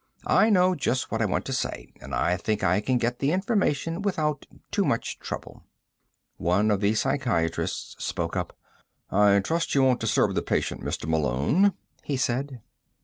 "I know just what I want to say, and I think I can get the information without too much trouble." One of the psychiatrists spoke up. "I trust you won't disturb the patient, Mr. Malone," he said.